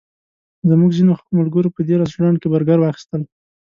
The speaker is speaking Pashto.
زموږ ځینو ملګرو په دې رسټورانټ کې برګر واخیستل.